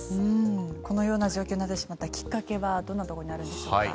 このような状況になってしまったきっかけはどんなところにあるんでしょうか。